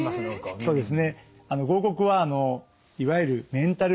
そうですね。